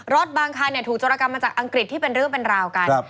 บางคันถูกโจรกรรมมาจากอังกฤษที่เป็นเรื่องเป็นราวกัน